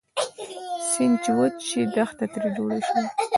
سیند چې وچ شي دښته تري جوړه شي